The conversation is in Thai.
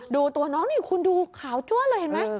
ดูตัวน้องนี่คุณดูขาวจ้วนเลยเห็นไหม